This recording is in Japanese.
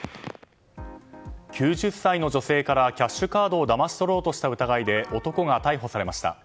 ９０歳の女性からキャッシュカードをだまし取ろうとした疑いで男が逮捕されました。